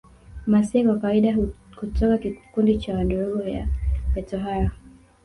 Mmasai kwa kawaida hutoka kikundi cha Wandorobo vya tohara